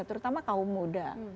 terutama kaum muda